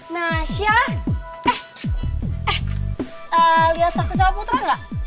nasiah eh eh liat sakti sama putra gak